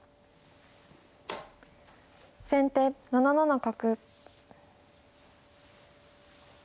先手７七角。